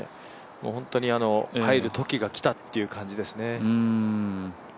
本当に入るときが来たっていう感じですね。